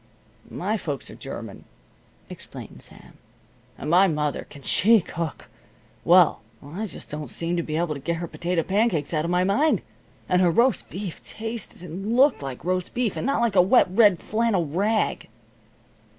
"My folks are German," explained Sam. "And my mother can she cook! Well, I just don't seem able to get her potato pancakes out of my mind. And her roast beef tasted and looked like roast beef, and not like a wet red flannel rag."